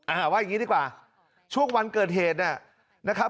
ว่าอย่างงี้ดีกว่าช่วงวันเกิดเหตุเนี่ยนะครับ